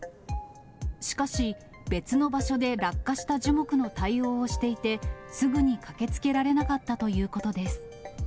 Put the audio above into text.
しかし、別の場所で落下した樹木の対応をしていて、すぐに駆けつけられなかったということです。